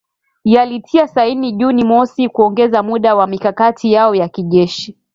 yalitia saini Juni mosi kuongeza muda wa mikakati yao ya kijeshi